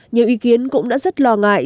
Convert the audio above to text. nhiều ý kiến cũng đã rất lo ngại